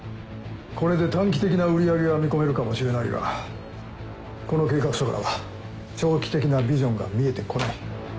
これで短期的な売り上げは見込めるかもしれないがこの計画書からは長期的なビジョンが見えて来ない。